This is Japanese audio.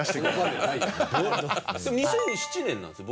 でも２００７年なんですよ